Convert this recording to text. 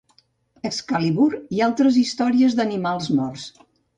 Excalibur i altres històries d'animals morts.